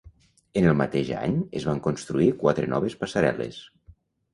En el mateix any es van construir quatre noves passarel·les.